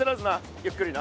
ゆっくりな。